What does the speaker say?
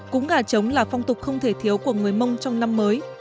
cúng gà trống là phong tục không thể thiếu của người mông trong năm mới